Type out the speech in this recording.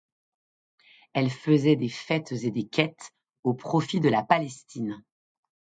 Elles faisaient des fêtes et des quêtes au profit de la Palestine.